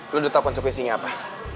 lo udah tahu konsekuensinya apa